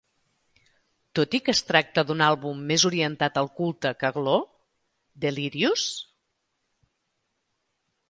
Tot i que es tracta d'un àlbum més orientat al culte que "Glo", Delirious?